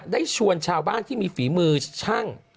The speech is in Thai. ได้ชวนชาวบ้านที่มีฝีมือช่าง